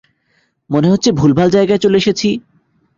মনেহচ্ছে ভুলভাল জায়গায় চলে এসেছি।